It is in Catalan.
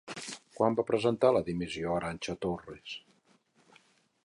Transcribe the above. Quan va presentar la dimissió Arantxa Torres?